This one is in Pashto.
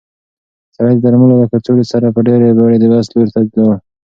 سړی د درملو له کڅوړې سره په ډېرې بیړې د بس لور ته لاړ.